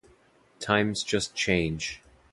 Times just change.